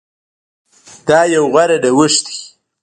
دا يو غوره نوښت ده